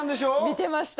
見てました！